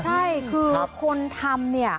ใช่คือคนทำเนี่ย